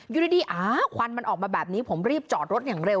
อยู่ดีควันมันออกมาแบบนี้ผมรีบจอดรถอย่างเร็ว